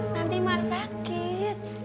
nanti mak sakit